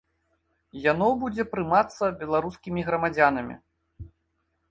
Яно будзе прымацца беларускімі грамадзянамі.